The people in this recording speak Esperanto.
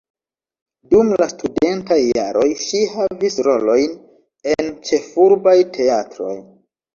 Dum la studentaj jaroj ŝi havis rolojn en ĉefurbaj teatroj.